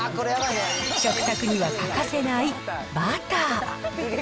食卓には欠かせないバター。